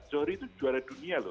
zohri itu juara dunia loh